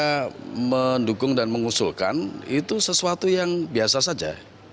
karena mendukung dan mengusulkan itu sesuatu yang biasa saja